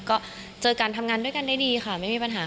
ก็เจอกันทำงานด้วยกันได้ดีค่ะไม่มีปัญหา